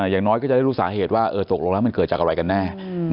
อย่างน้อยก็จะได้รู้สาเหตุว่าตกลงแล้วมันเกิดจากอะไรกันแน่